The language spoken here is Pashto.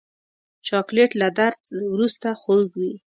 چاکلېټ له درد وروسته خوږ وي.